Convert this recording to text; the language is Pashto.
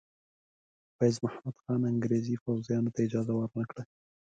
فیض محمد خان انګریزي پوځیانو ته اجازه ور نه کړه.